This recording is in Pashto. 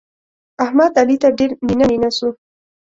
احمد؛ علي ته ډېر نينه نينه سو.